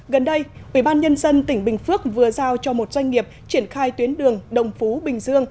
gần đây ubnd tỉnh bình phước vừa giao cho một doanh nghiệp triển khai tuyến đường đồng phú bình dương